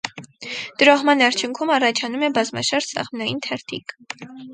Տրոհման արդյունքում առաջանում է բազմաշերտ սաղմնային թերթիկ։